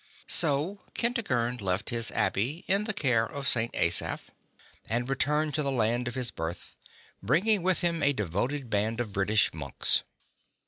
So Kentigern left his abbey in the care of St. Asaph, and re turned to the land of his birth, bringing with him a devoted band of British monks.